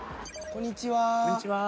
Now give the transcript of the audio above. こんにちは。